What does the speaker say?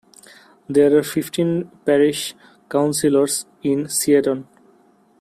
There are fifteen parish councillors in Seaton.